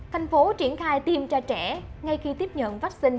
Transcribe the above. thành phố triển khai tiêm cho trẻ ngay khi tiếp nhận vaccine